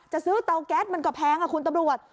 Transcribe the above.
จะซื้อเตาแก๊สมันก็แพงคุณตำรวจ